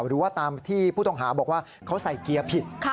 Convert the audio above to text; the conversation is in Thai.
หรือว่าตามที่ผู้ต้องหาบอกว่าเขาใส่เกียร์ผิด